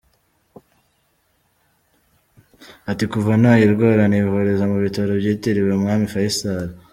Ati “Kuva nayirwara nivuriza mu bitaro byitiriwe Umwami Faycal.